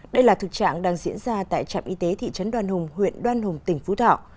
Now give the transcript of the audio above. đây là thực trạng đang diễn ra tại trạm y tế thị trấn đoan hùng huyện đoan hùng tỉnh phú thọ